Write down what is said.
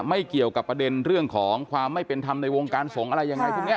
ไม่เกี่ยวกับประเด็นเรื่องของความไม่เป็นธรรมในวงการสงฆ์อะไรยังไงพวกนี้